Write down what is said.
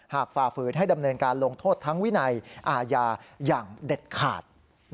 ฝ่าฝืนให้ดำเนินการลงโทษทั้งวินัยอาญาอย่างเด็ดขาด